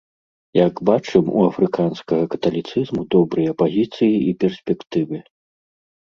Як бачым, у афрыканскага каталіцызму добрыя пазіцыі і перспектывы.